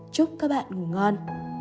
chúc các bạn ngủ ngon